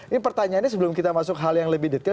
ini pertanyaannya sebelum kita masuk hal yang lebih detail